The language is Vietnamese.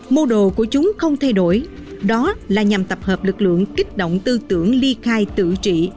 mưu đồ của chúng không thay đổi đó là nhằm tập hợp lực lượng kích động tư tưởng ly khai tự trị